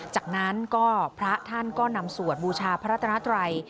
จากนั้นก็พระท่านก็นำสวดบูชาพระรัตนาตรัย